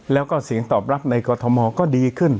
แล้วก็เสียงตอบรับในกรทมก็ดีขึ้น